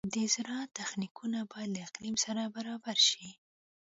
د زراعت تخنیکونه باید له اقلیم سره برابر شي.